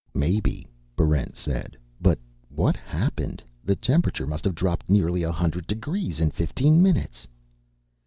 "Maybe," Barrent said. "But what happened? The temperature must have dropped nearly a hundred degrees in fifteen minutes."